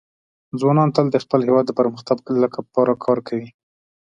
ځوانان تل د خپل هېواد د پرمختګ لپاره کار کوي.